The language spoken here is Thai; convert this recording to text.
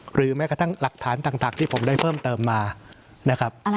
หรือแม้กระทั่งหลักฐานต่างที่ผมได้เพิ่มเติมมานะครับ